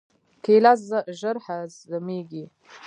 کېله ژر هضمېږي.